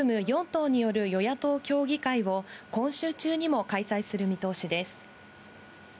４党による与野党協議会を今週中にも開催する見通し